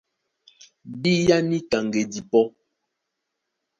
Bíá níka ŋgedi pɔ́!